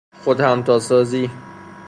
خود همتاسازی